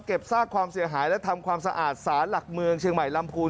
ซากความเสียหายและทำความสะอาดสารหลักเมืองเชียงใหม่ลำพูน